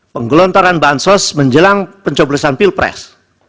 penggelontaran bansos menjelang pencoblosan pilpres